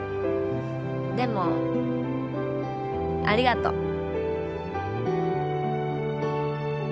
でもありがと。